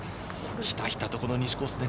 ひたひたと西コースで。